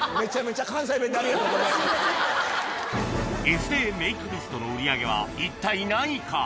ＳＤメイクミストの売り上げは一体何位か？